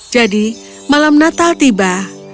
jadi malam natal tiba